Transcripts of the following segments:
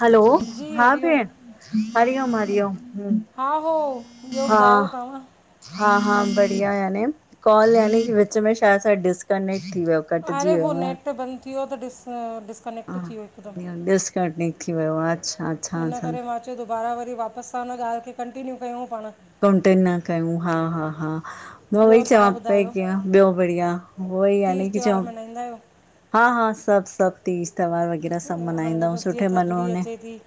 Hello. जी हा हरिओम भेण। हरिओम-हरिओम। हम्म हा--हा, ॿियो ॿुधायो तव्हां? हा-हा बढ़िया याने कॉल यानी के विच में शायद सां डिसकनेक्ट थी वियो। कटिजी अरे वियो उहो न नैट बंदि थी वियो त डिस्-डिस् कनेक्ट थी वियो हिकदमु, हा डिस्कनेक्ट थी वियो आहे अच्छा अच्छा अच्छा इनकरे मां चय चयो दुबारा वरी वापसि सां हुन ॻाल्हि खे कंटीन्यू कयूं पाण कोंटेन न कयूं, हा-हा-हा। मां ॿियो उहोई चवा तव्हां पई ॿुधायो किअं ॿियो बढ़िया, उहोई यानी की चवा वेंदा आहियो? हा-हा सभु-सभु तीज-त्योहार वग़ैरह त सभु हाणे मल्हाईंदा आहियूं बसि जीअं सुठे थधिड़ी नमूने। अचे थी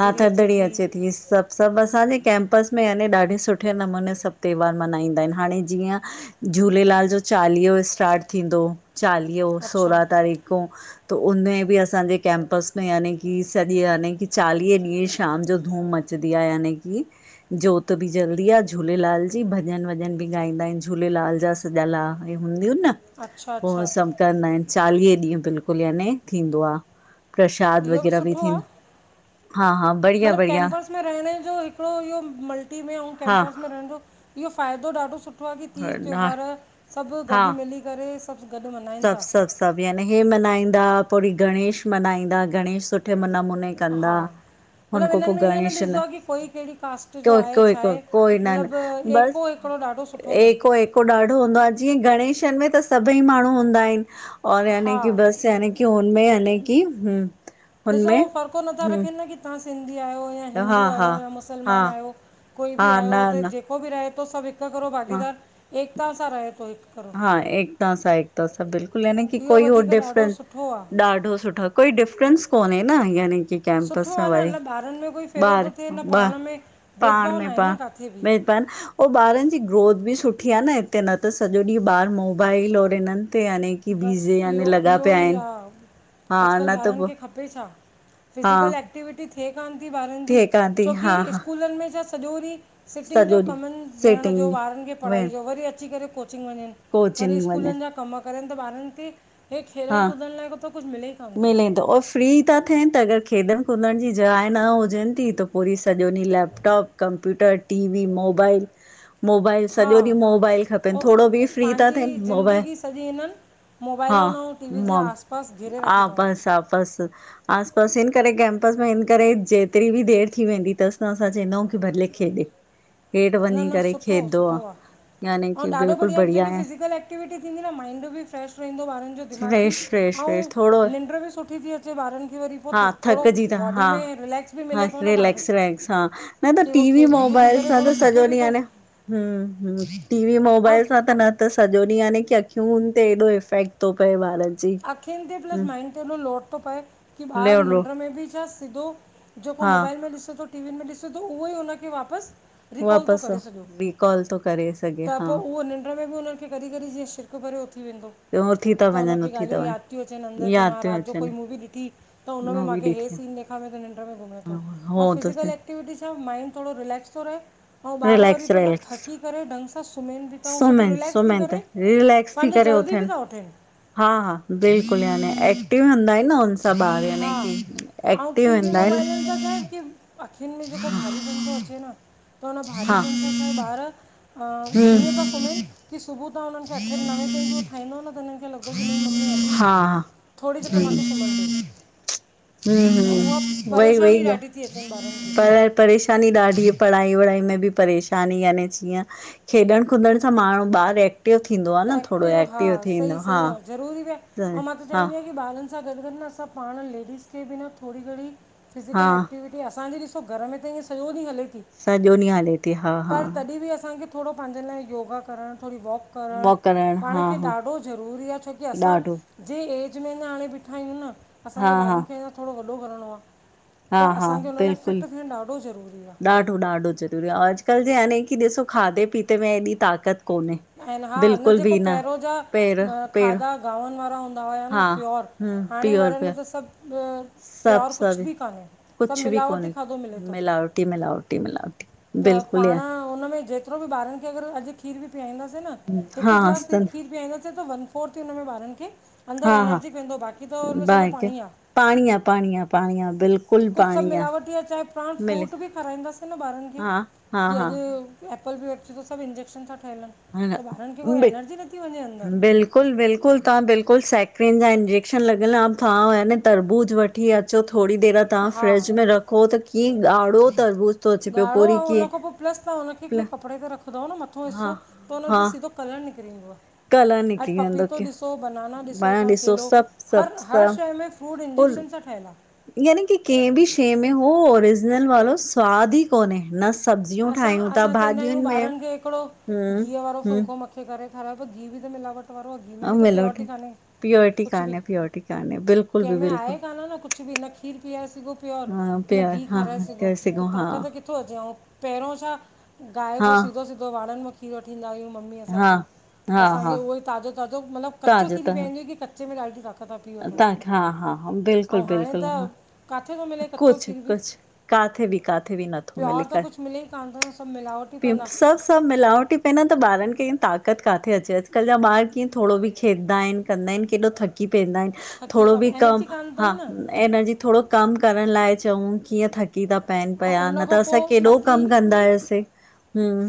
हा थधड़ी अचे थी, सभु सभु असांजे कैंपस में याने ॾाढे सुठे नमूने सभु त्योहार मल्हाईंदा आहिनि, हाणे जीअं झूलेलाल जो चालीहो स्टार्ट थींदो चालीहो अच्छा सोरहां तारीख़ खों त उन बि असांजे कैंपस में यानी की सॼे यानी की चालीह ॾींहं शाम जो धूम अच दीं आ। यानीकि। ज्योत बि जल्दी आ झूलेलाल जी भॼन वॼन बि ॻाईंदा आहिनि झूलेलाल जा सॼ लाइ आ इहे हूंदियूं न अच्छा पोइ अच्छा सभ कंदा आहिन चालीह ॾींहं बिल्कुल याने थींदो आ। प्रशाद इहो वग़ैरह बि सुठो थिन्दो आहे आ। हा- हा बढ़िया मतिलबु बढ़िया। कैंपस में रहण जो हिकिड़ो इहो मल्टी में ऐं हा कैंपस में रहण जो इहो फ़ाइदो ॾाढो सुठो सुठो आ की तीज हा त्योहार सभ गॾु मिली करे सभ गॾु करे सभ- सभ- सभ यानी हे मल्हाईंदा पो वरी गणेश मल्हाईंदा गणेश सुठे नमूने। हा कंदा हुन मतलब खां इनन पोइ में ईअं न गणेश ॾिसंदो आहे की कोई कहिड़ी कास्ट जो कोई आहे कोई छा को आहे कोई न न मतलब बस ऐको ॾाढो सुठो अथन। एको एको ॾाढो हूंदो आहे जीअं गणेशन में त सभई माण्हू हूंदा आहिन और यानी हा की बस यानी की कि उनमें याने की हूं। ॾिसो हुनमें उहो फको नथा हूं रखनि न की तां सिंधी आहियो या हा हिंदू हा आहियो या हा मुसलमान आहियो कोई बि हा आयो न त जेको न जेको बि रहे थो सभु हिक करो हा भागीदार एकता सां रहे थो हिकु करो। हा एकता सा एकता सां बिल्कुल यानी की इहो कोई हो वधीक ॾाढो डिफ्रेंस सुठो आहे ॾाढो सुठो कोई डिफ्रेंस कोन्हे न यानी की। सुठो कैंपस में आहे न वरी न ॿारनि में कोई फेरो थो ॿार थिए न ॿा पाण में पाण भेदभाव न में आहे न किथे बि पाण अऊ ॿारनि जी ग्रोथ बि सुठी आहे न हिते न त सॼो ॾींहुं ॿार मोबाइल और इन्हन हिनते यानी की बीजी बसि यानी इहो लॻा इहो पिया ई आहिन हा न त पोइ पे छा हा फिज़िकल एक्टिविटी थिए कोन थी ॿारनि जी थिए कान थी हा छोकी हा स्कूलनि में त सॼो ॾींह सॼो सिटिंग जो ॾींहुं कमनि वेहण जो सिटिंग ॿारनि खे पढ़ाई वेण जो वरी अची करे कोचिंग वञन वरी कोचिंग वञनि स्कूलनि जा कम करनि त ॿारनि खे हे खेलण हा कुॾण लाइ को त कुछ मिले कान थो। फ्री था थियन त अगर खेॾण कुदण जी जाइ न हुजन थी त पोइरी सॼो ॾींह laptop computer, T V, mobile. Mobile हा सॼो ॾींहुं मोबाइल खपनि उ थोरो बि फ्री था पंहिंजी थियनि मोबाइल ज़िंदगी सॼी हिनन मोबाइल हा ऐं अऊं टी वी जे आसपास घेरे रखी अथऊं। शाबस आस पास हिन करे कैंपस में हिन करे जेतिरी भी देर थी वेंदी अथस त असां चवंदा आहियूं की भले खेॾे। हेठि न वञी -न करे सुठो खेॾंदो -सुठो आ आहे यानी ऐं की ॾाढो बिल्कुलु बढ़िया आहे जे की फिज़िकल एक्ट ए्टिविटीं थीदी न माइड बि फ्रेश रहंदो ॿार जो। दिमाग भी फ्रेश फ्रेश फ्रेश अऊं थोरो नीॾ भी सुठी थी अचे ॿार खे वरी पो हा थोणो थकिजी था बोडी हा में रिलेक्स भी हा रिलेक्स- रिलेक्स हा न त की उहो टीवी खेॾी कुदी मोबाइल करे सां थोरो थके सॼो ॾिह बि थो यानी हूं टीवी ऐं मोबाइल सां न त सॼो ॾींह की अख़ियूंनि ते एॾो इफेक्ट थो पए ॿारनि खे। अखियुनि ते प्लस माइंड ते एॾो लोट थो पए की ले ॿार लो निंड में बि छा सिधो जेको हा मोबाइल में ॾिसे थो टीवीन में ॾिसे थो उहो ई उन खे वापस रिकॉल थो करे वापसि छॾियो रिकॉल थो करे सघे त हा पोइ उहो निंड में भी उनन मूंखे कॾहिं- कॾहिं जीअं शिरक भरिय ऊ थी वेंदो। ॿियो उथी था वञनि। ॻाल्यूं याद थी अचनि अन्दर यादि मां थियूं रात जो कोई अचनि मूवी मूवी ॾिठी तो उनमें मूवी मांखे हे ॾिठी सीन ॾेखामे थो नींॾ में घुमेतो ए हो थो फिजीकल थिए एक्टिविटी सां माइंड थोरो रिलेक्स थो रहे, हउं ॿारु वरी रिलैक्स पो शा रिलैक्स थक करें ढंग सां त सुम्हेन भी था अउं सुबु सुम्हनि रिलेक्स थी सुम्हनि त करे, रिलैक्स थी पांजो करे जल्दी भी उथनि था उठे। हा हा, बिल्कुलु याने, एक्टिव हंदा हिन न ओस हा, अउं टी वी, हूंदा आहिनि मोबाइलिन सां छाहे की अखियुनि में जेको भारीपन थो अचे न, त हुन हा भारीपन सां छा ॿारु हा, ईअं थो हम्म सुम्हेन, की सुबह तां हुनन खे अठे नवे ताईं बि उनखे उथाई दव न त हिननि खे लॻो। बोलेगी नी मम्मी अभी, हा थोरी देरि त मांखे सुम्हन ॾियो। त उहा हुं वई वई, परेशानी ॾाढी थी अचनि ॿारनि खे पर परेशानी ॾाढी पढ़ाई- वढ़ाई में बि परेशानी यानि जीअं खेॾण कुॾण सां माण्हूं ॿारु एक्टिव थींदो आ, त न थोरो हा एक्टिव सही थींदो आ, हा सही आहे ज़रूरी भी आहे, मां त हा चाहिदीया की ॿारनि सां गॾु- गॾु न, असां पाण लेडीस खे बि न थोरी घणी, हा फिज़िकल एक्टिविटी असांजे ॾिसो घरु में त इय सॼो ॾींहु हले थी। सॼो ॾींहु हले थी हा हा पर तॾहिं बि असांखे थोरो पांजे लाइ, योगा करण थोरी वॉक करण, वॉक पाण हा खे हा ॾाढो ज़रूरी आ, छोकी असां ॾाढो जे ऐज में अञा हाणे ॿीठा आहियूं, न हा असांखे हा ॿारनि खे अञा थोरो वॾो करिणो आ हा त हा असांखे हुन लाए, फिट बिल्कुलु थियणु ॾाढो ज़रूरी आ ॾाढो ज़रूरी आ, अॼकल्हु जे नी की ॾिसो खाधे पीते में एॾी ताक़त कोन्हे। आहिनि हा न बिल्कुल जेको बि पहिरों जा पेर पेर खाधा, गांवनि वारा हुंदा हुआ चवा हेना हा प्योर, हम्म हाणे प्योर वारनि में प्योर त सभु, प्योर सभु कुझु सभु बि कोने सभु कुछ बि मिलावटी कोन्हे। खाधो मिले थो, मिलावटी मिलावटी मिलावटी त बिल्कुलु ई पाण आहे। उनमें जेके कतिरो बि ॿारनि खे अगर अॼु खीर बि पियाईदासे, न हिकु हा गिलास सन खीर पीआाईदासीं त वन फोर थी हुन में ॿारनि खे, अंदरि हा हा एनर्जीक वेंदो बाक़ी त हुनमें सॼो बाहिक पाणी आ। पाणी आ पाणी आ पाणी आ बिल्कुलु कुझु सभु पाणी मिलावटी आ, चाहे पाण मिले फ्रूट बि खाराईदासे न ॿारनि खे हा हा हा ॼियं अॼु एपल बि अचे थो, सभु इंजेक्शन सां ठहियल हिनि त ॿारनि खे कोई, ह एनर्जी नथी वञे अंदर बिल्कुलु बिल्कुलु तां बिल्कुलु सैक्रिन जां इंजेक्शन लॻल आ, थां आ न तरबूज वठि वठी अचो थोरी देरि तां हा फ्रिज में रखो त कीअं ॻाढ़ो तरबूज़ ॻाढ़ो ऐं हुनखां पो प्लस तां हुनखे के प्ल कपड़े ते रखंदाओ न मथो हा हिसो त हुन हा ते सिधो कलर निकिरींदो कलर आ अॼु निकिरी वेंदो पपीतो की ॾिसो, बनाना ॾिसो, पाण तां केलो सभु हर सभु हर सभु शेइ में फूड और इंजेक्शन सां ठहिय आ। यानी की कंहिं बि शेइ में हो, ओरिजिनल वारो स्वाद ई कोने नस् असां असां चवंदा आहियूं, ॿारनि खे हिकिड़ो हम्म घीअंहुं वारो फुलको हम्म मखे करे खारायो घीअंहुं बि त मिलावट वारो आ, घीअंहुं में बि त मिलोट प्योरिटी काने प्योरिटी कुझु बि, कान्हे प्योरिटी कान्हे बिल्कुल बि केमें बिल्कुलु आहे कान न कुझु बि न खीरु पीयारे सघो प्योर हा न प्यार घीअंहुं हा खाराए हा सघो करे त सघूं हा ताक़त किथो अचे ऐं पहिरियों छा? गाइन हा जो सिधो -सिधो वारनि मुंखे खीर वठींदा आहियू, मम्मी हा असांजूं त हा असांखे हा उवई ताज़ो ताज़ो मतिलबु क़च्चो तव्हांजो खीर ही तव्हां पेइंदी ही की क़च्चो क़च्चे में ॾाढी ताक़त आ, पी वठो तव्हांखे हा हा हा बिल्कुलु ऐं हाणे बिल्कुलु त हा काथे तो मिले क़च्चो कुझु खीर बि, कुझु किथे बि किथे बि नथो मिले प्योर तो क कुझ मिले कोने थो न सभु मिलावट [unintelligible] सभु मिलावट ई पेदा त ॿारनि खे ईअं ताक़त काथे अचे, अॼुकाल्हु जा ॿार कीअं थोरो बि खेॾंदा हिन। कंदा आहिनि केॾो थकी पवंदा आहिनि थकी थोरो था बि कम एनर्जी कान हा अथनि न एनर्जी थोरो कमु करण लाइ चऊं कीअं थक थकी ता पाइनि ऐं पिया, उन न खां त असां पोइ केॾो थकी कमु कंदा हुआसीं।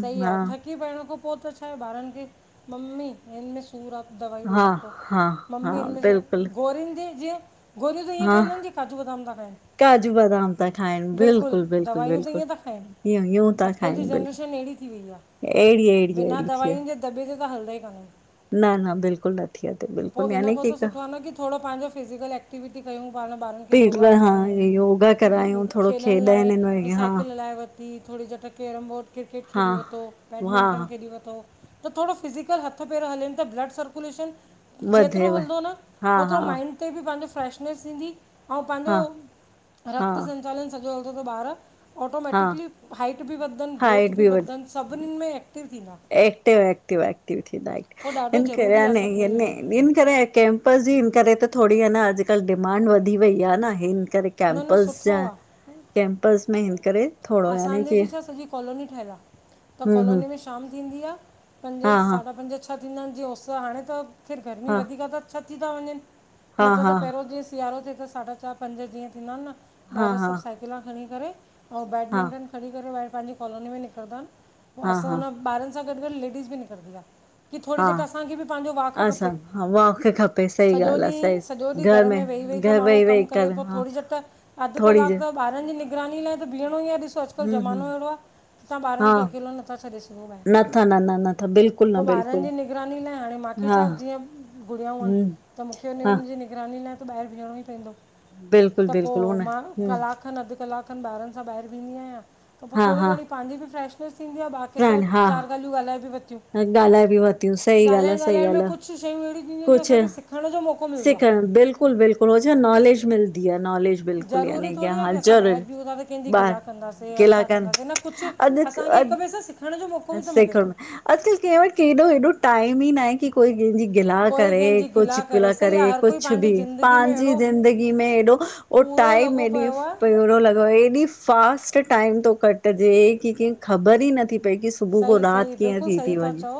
सही आहे हा थकी पाइण खां पोइ त छा आहे ॿारनि खे मम्मी हिन में सूर आ दवाई ॾेई हा रखो। हा हा मम्मी हिन बिल्कुलु में गोरिुनि जी जीअं गोरियूं त इअं हा खाईंदाइन जिऐ काजू बदाम था खाइनि। काजू बदाम था खाइनि बिल्कुलु- बिल्कुलु- दवाइयूं त बिल्कुलु इय यूं था खाइनि बिल्कुलु कण्डिशन अहिड़ी थी वई आ। अहिड़ी अहिड़ी बिना अहिड़ी थी वई दवााइनि जे दॿे ते त हलंदा ई काननि। न -न बिल्कुलु नथी अचे बिल्कुलु इन याने खां की त सुठो आहे न की थोरो पंहिंजो फिज़िकल ऐक्ट ऐक्टिविटी कयूं पाण ॿारनि खे पेट योगा लाइ हा करायूं, योगा करायूं थोरो खेॾण लाइ खेॾाइनि हिन में हा साइकिल हलाए वठि थोरी झटि कैरम बोर्ड, क्रिकेट हा खेडि वरतो, हा बैडमिंटन खेडि वरतो। त थोरो फिज़िकल हथ- पेर हलनि ता ब्लड सर्कुलेशन जेतिरो वधेव हलंदो न हा ओतिरो हा माइंड उते बि पंहिंजो फ्रेशनस ईंदी पंहिंजो हा हा रक्त संचालन सजो हलंदो त ॿार, हा ऑटॉमेटिक हाईट बि वधनि, ग्रोथ हाइट बि वधे वधनि सभिनि में थींदा एक्टिव- एक्टिव -एक्टिव थींदा उहो ॾाढो हिन ज़रूरी आहे सभिनीनि लाइ करे कैम्पस जी हिन करे त थोरी ह न अॼुकल्ह डिमांड वधी वई आ न हिन करे। न न कैंमपस जा सुठो आहे कैम् कैम्पस में हिन करेे थोड़ो याने असांजे बि कीअ छा सॼी कॉलोनी ठहियलु आहे त हम् -हम्। कॉलोनी में शाम थींदी आ। पंजे साढा पंज छह थींदा आहिनि जीअं उस हाणे त खैर गर्मी हा वधीक त छ थी था वञनि, हा न त हा पहिरियों जीअं सिआरो थिए त साढा चारि पंज जीअं थींदा आहिनि न हा ॿार हा सभु साइकिलां खणी करे ऐं हा बैडमिंटन खणी करे ॿहिर पंहिंजी कॉलोनी में निकिरदा आहिनि। पोइ हा असां हा हुन ॿारनि सां गॾु- गॾु लेडीस बि निकिरंदी आ। की थोरी हा देर असांखे बि पंहिंजो वाक असां खपे, हा वॉक खपे सही सॼो ॻाल्हि आ सही ॾींहुं सॼो ॾींहुं घर में वेई -वेई त घर माण्हू वेही कम वेही करे कर पो हा थोरी झट, अध थोरी कलाक देर त ॿारनि जी निगरानी लाइ त बीहणो ई आ ॾिसो अॼुकल्ह हूं हूं ज़मानो अहिड़ो आ तव्हां हा ॿारन खे अकेलो नथा छॾे सघो ॿाहेर, नथा न न नथा बिल्कुलु पो न ॿारन बिल्कुलु जी निगरानी लाइ हाणे मां मूंखे छा हा जीअं गुणियाऊं हिनि, हूं त मूंखे हा उन जी निगरानी लाइ त ॿाहिर बीहणो ई पवंदो। बिल्कुल त पो बिल्कुल हुन मां हूं कलाक खनि अधु कलाक खन बारनि सां बाहर भिंनदी आहिया। त पो हा थोरी हा घणी पांजी भी नसफ्रेश थिदी आ, बाक़ी केसां फ्रेंड हा चार गालियु ॻालाए बिरिियूं [unintelligible] ॻाल्हाए बि वरतियूं। सही ॻाल्हि आ, सही ॻाल् आ। कुझ शयू अहिड़ियूं थींदियूं जो असांखे सिखण जो मौको मिलंदो आ। बिलकुल- बिलकुल हो छा नॉेलेज मिलदी आ नॉेलेज ज़रूरी थोरी आ की असां ॿाहिरि बिहूंता त कंहिंजी ॿार गिला कंदासीं या गिला छा कनि कंदासीं न कुछ अधु असांखे हिक अधु ॿिए सां स सेखण में, अॼकल्ह कंहिं वटि केॾो हेॾो टाइम ई न आहे की कोई कंहिंजी गिला कोई करे, कंहिंजी को गिला चिकिला सही करे आहे हर कोई कुछ पंहिंजी बि ज़िंदगी में पंहिंजी अहिड़ो ज़िंदगी में एॾो ओ पूरो टाइम लॻो एॾी पियो आहे थोरो लॻो एॾी फ फास्ट टाइम थो कटिजे की कंहिंखे ख़बर ई नथी पए की सुबुह खौ सही राति सही कीअं बिल्कुल्ह थी सही थी था वञे। चओ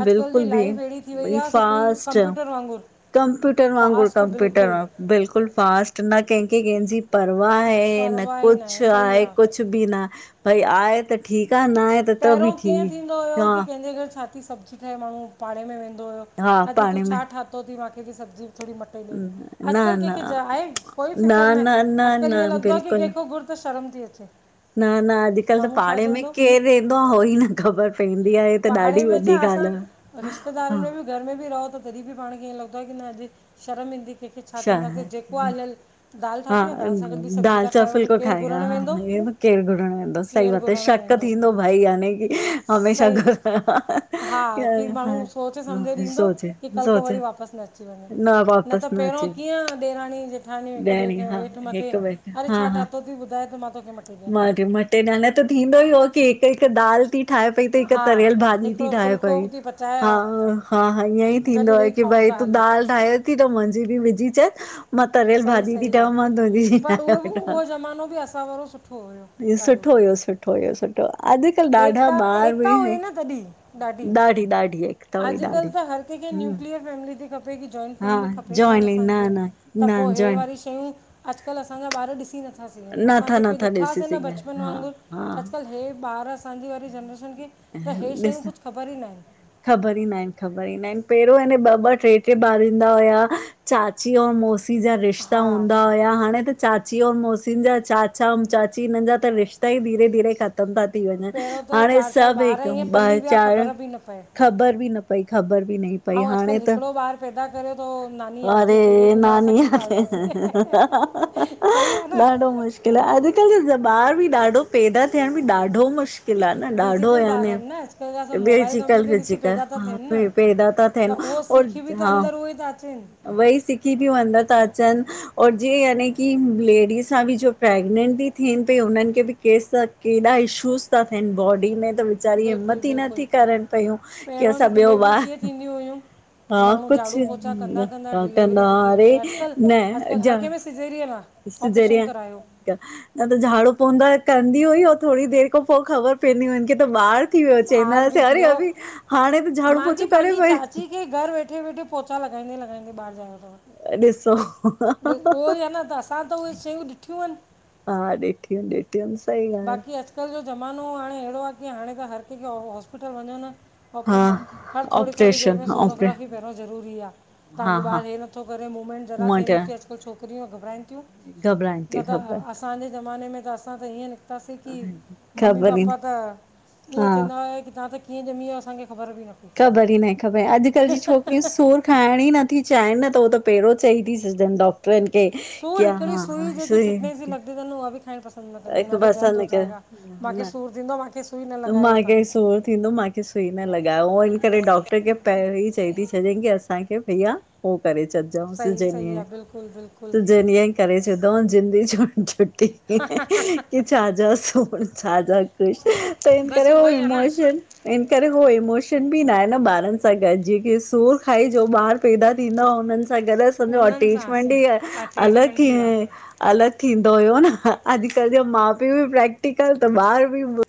अॼुकल्ह बिल्कुल जी बि लाइफ अहिड़ी थी वई भई आहे हिकिड़ी फासस्ट कंप्यूटर वांगुरु कंप्यूटर वांगुरु, फास्ट कंप्यूटर बिल्कुलु वा बिल्कुल फास्ट न कंहिंखे कंहिंजी परवा है, न कुछ आहे कुछ बि ना भई आये त ठीक आ, न आये त त बि पहिरियों कीअं थींदो हुयो ठीकु हा की कंहिंजे घर छा ती सब्जी ठये माण्हू पाड़े में वेंदो हुयो हा अॼ तूं पाणे में छा ठातो ती मांखे ॿि सब्जी थोंणी म टे ॾे न अॼकल्ह न कंहिंखे जा ए कोई न फिक्र ना ए न न अॼुकल ईअं न लॻदो आ की कंहिंखो घुर त शर्म थी अचे। न-न अॼुकल्ह त माण्हू छा पाड़े में चवंदो केंर रेंदो आ हो ही ई न ख़बर पइदी आ हे त ॾाढी पाड़े में छा वॾी असां ॻाल्हि आ हा। रिश्तेदारनि में बि घर में ॿि रहो त तॾहिं ॿि पाण खे ईअं लॻंदो आ की न अॼु शर्म ईंदी कंहिंखे छा चइदासे जेको आ हलहल हा दाल सा फुल्को केरु खाएगा घुरणु वेंदो केर घुरण वेंदो सही केरु बात है घुरणु शक वेंदो थींदो भाई याने की हमेशा सही घर हा की माण्हू सोचे सम्झे ॾींदो सोचे की कल्ह को सोचे वरी वापसि न अची वञे। न त पहिरों कीअं ॾेराणी जेठा ठानि हिक ॿिए ॾियणी खे हा हेठि मथे हिक ॿ अरे छा ठातयोथई ॿुधाए त मां तोखे मटे म मटे न न त थींदो ई हो की हिक-हिक दाल थी ठाहे पई त, हिक हा तरियल भाॼी हिकिड़ो थी ठाहे फुल्को पई। थी पचाए हा हा-हा-हा ईअं ई गॾु थींदो आये वेही की खाऊं भई था तूं हल दाल ठाहे ती त मुंहिंजी बि विझी च मां तरियल सही भाॼी ती ठायां मां तुंहिंजी थी ठाहे वठां। जमानो ॿि अ असा वारो सुठो हुओ। इ सुठो हुयो, सुठो हुयो, सुठो अॼकल्ह एकता, एकता हुई न तॾहिं ॾाढी। ॾढी-ॾाढी ए अॼुकल्ह त हर कंहिंखे न्यूक्लियर फैमिली थी खपे की जॉइंट हा फैमिली खपे कान जॉइनिंग न असांखे, न त न पोइ हे जॉइन वरी शयूं अॼुकल्ह असांजा ॿार ॾिसी नथा सिघंन असां नथा जेके नथा ॾिसी ॾिठासीं न सघनि बचपन हा वांगुरु हा त अॼुकल्ह हे ॿार असांजी वारी जनरेशन खे त हे ऐं शयूं ॾिस [unintelligible] कुझु ख़बर ई न आहिनि ख़बर ई ना आहिनि ख़बर ई ना आहिनि पहिरों अने ॿ-ॿ टे-टे ॿार ईंदा हुया चाची और मोसी जा रिश्ता हा हूंदा हुया हाणे त चाची और मोसी जा चाचा ऐं चाची हिननि जा त रिश्ता ई धीरे-धीरे खतम तम था थी वञनि पहिरों हाणे चारि त चारि ॿि हिक ॿार ईअं ॿ पली विया चार ख़बर बि न पए ख़बर ॿि न पई ख़बर बि न पयी हाणे त हिकु ॿार पैदा करे तो नानी याद ती अरे अचीं वने मा असां नानी कीय पा लंदासीं? सही आ ॾाढो मुश्किल आहे न। अॼुकल्ह जा ॿार ॿि ॾाढो पैदा थियण में ॾाढो मुश्कुल डिजिटल ॿार आहिनि न अॼुकल्ह जा सभु मोबाइल कंप्यूटर ॾिसी पैदा था थियनि न [unintelligible] पैदा था त थियनि उहो और सिखी बि त हा अंदरि उहे ई था अचनि वई सिखी ॿि अदर था अचनि और जीअं यानी की लेडीस सां ॿि जो प्रेगनेंट थी थियनि पई उन्हनि खे ॿि केस केॾा इशूज़ था थियनि बॉडी में त वेंचारी बिल्कुलु हिम्मत ई बिल्कुलु नथी करनि पियूं की पहिरों असां जी ॿियो डिलेवरी बार कीअं थींदियूं हुयूं माण्हू झाड़ू पोछा कंदा कंदा डिलेवरी थी थी वञे अॼुकल्ह अॼुकल्ह हर कंहिंमें [unintelligible] सिजेरियन आ। सिजेरियन न त झाड़ू पोंदा कंदी हुई, ऐं थोरी देरि खां पोइ ख़बर पवंदी हुई उनखे त ॿार थी वियो ॿार चईंदास बि थी अरे वियो अभी हाणे त झाड़ू पोछो करे पई? घर् वेठे- वेठे पोचा लॻाईंदे- लागाईंदे ॿार् जायो तव। अ ॾिसो। ब उहो ई आहे न, त असां ब् त उहे शयूं ॾिठियूं आहिन्। हा ॾिठी अन ॾि ट्यूम्पल [unintelligible] बाक़ी अॼुकल्ह जो ज़मानो आहे, हाणे अहिड़ो आहे की हाणे त हर कंहिंखे हॉस्पिटल वञन्? ऑपरेशन्, हा हर थोरी थोरी देरि ऑपरेशन में ऑपरे सोनोग्राफी पहिरियों ज़रूरी आह। हा तहांजो हा ॿारु हे नथो करे, मूमेंट ज़रा मां बी नथी अचे। चयो [unintelligible] त छोकिरियूं घबराइनि थियूं, घबराए न थी त घबराए असांजे ज़माने में त असां त ईअं पासे थी, ममी ख़बर ई न पापा त एय हा चइदा हुया कि तहाँ त कीअं ॼमीया असांखे ख़बर बि न? पई ख़बर ई न आहे ख़बर अॼुकल्ह जी छोकिरियूं सूर खाइण ई नथी चाहिनि न त उहो त पहिरियों चई थी छॾनि डॉक् कियन के कि हां हां सुइ त उहा बि खाइण बस् अस बासा में चइन् सूरु थींदो मूंखे सुई न लॻायो मांखे तव्हां सूर थींदो मांखे सूर सुई न लॻायो, हिन करे डॉक्टर खे पहिरीं चई थियूं छॾन् की असांखे भईया, हो करे छॾ चओन् सही सही सिजेरियन, आहे बिल्कुलु बिल्कुलु सिजेरियन करे छॾजां जिंद ई छुटी। [unintelligible] की छा जा सोण छा जा कुश, त इन करे बसि हो उहो ई आहे न इमोशन इन करे हो इमोशन बि न आहे न ॿारनि सां गॾु, जेकी सूर खाइ जो ॿार् पैदा थींदा, हुननि सां गॾु असांजो उन्हनि सां अटैचमेंट ई अलॻि अटैचमेंट थी बि आहे अलॻि थींदो हुयो न, अॼुकल्ह जा माउ- पीउ बि प्रेक्टिकल त ॿार बि